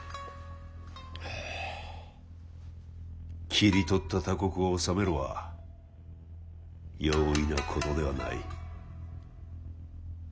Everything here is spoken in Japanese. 切り取った他国を治めるは容易なことではない。